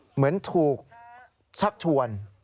เหมือนถูกชักชวน